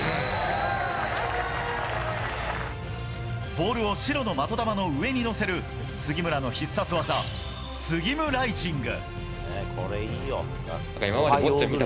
ボールを白の的球の上に乗せる杉村の必殺技スギムライジング。